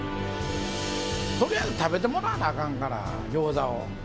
とりあえず食べてもらわなあかんから、餃子を。